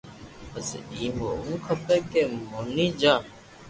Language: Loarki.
پسي ايم ھووُ کپي ڪي موني جا